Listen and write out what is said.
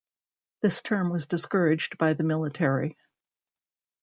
This term was discouraged by the military.